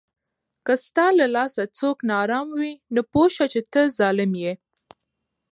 که ستا له لاسه څوک ناارام وي، نو پوه سه چې ته ظالم یې